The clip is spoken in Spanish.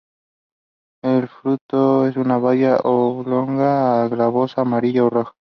El fruto es una baya oblonga a globosa, amarilla a roja.